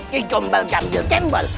kikombel gambil kembel